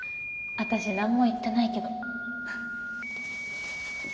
私何も言ってないけど。